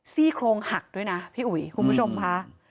ซี่โครงหักด้วยนะพี่อุ๋ยคุณผู้ชมค่ะ